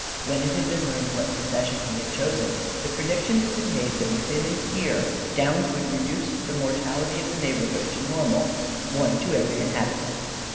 When it had been learned what profession he had chosen, the prediction had been made that within a year Downs would reduce the mortality of the neighborhood to normal one to every inhabitant!